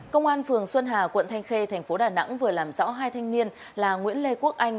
công an phường xuân hà quận thanh khê thành phố đà nẵng vừa làm rõ hai thanh niên là nguyễn lê quốc anh